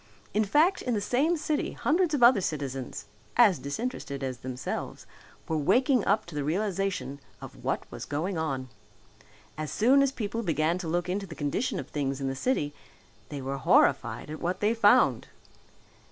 In fact in the same city hundreds of other citizens, as disinterested as themselves, were waking up to the realization of what was going on. As soon as people began to look into the condition of things in the city they were horrified at what they found.